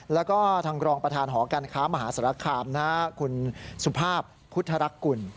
แล้วก็ทางรองประธานหอการค้ามหาสารคามคุณสุภาพพุทธรักกุล